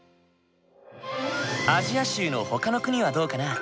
アジア州のほかの国はどうかな？